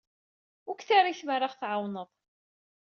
Ur k-terri tmara ad aɣ-tɛawneḍ.